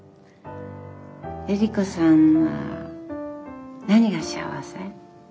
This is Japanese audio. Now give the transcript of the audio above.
エリコさんは何が幸せ？